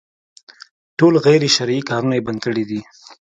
ټول غير شرعي کارونه يې بند کړي دي.